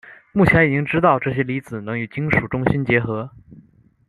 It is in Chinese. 目前已经知道这些离子能与金属中心结合。